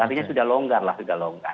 artinya sudah longgar lah sudah longgar